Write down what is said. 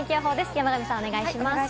山神さん、お願いします。